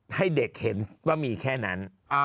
ให้เด็กเห็นว่ามีแค่นั้น